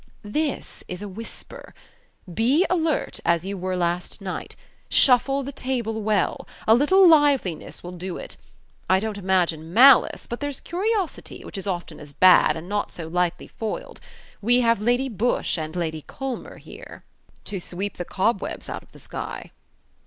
"This is a whisper. Be alert, as you were last night. Shuffle the table well. A little liveliness will do it. I don't imagine malice, but there's curiosity, which is often as bad, and not so lightly foiled. We have Lady Busshe and Lady Culmer here." "To sweep the cobwebs out of the sky!"